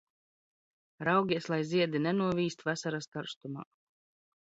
Raugies, lai ziedi nenovīst vasaras karstumā!